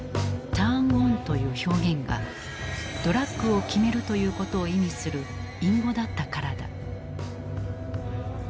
「ｔｕｒｎｏｎ」という表現が「ドラッグをきめる」ということを意味する隠語だったからだ。